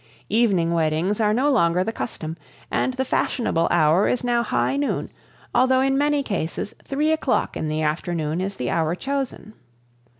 Evening weddings are no longer the custom, and the fashionable hour is now high noon, although in many cases three o'clock in the afternoon is the hour chosen.